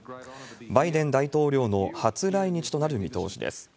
バイデン大統領の初来日となる見通しです。